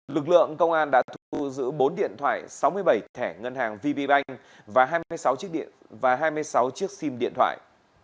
lực lượng công an đã thu giữ bốn điện thoại sáu mươi bảy thẻ ngân hàng vp bank và hai mươi sáu chiếc sim điện thoại